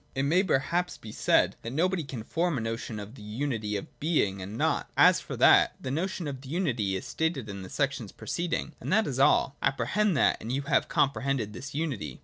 (3) It may perhaps be said that nobody can form a notion of the unity of Being and Nought. As for that, the notion of the unity is stated in the sections preced ing, and that is all : apprehend that, and you have comprehended this unity.